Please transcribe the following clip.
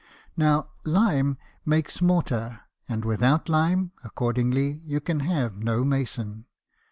Now, lime makes mortar ; and without lime, accordingly, you can have no mason.